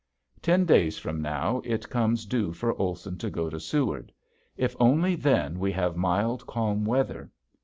Ten days from now it comes due for Olson to go to Seward. If only then we have mild, calm weather!